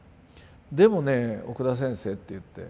「でもね奥田先生」っていって。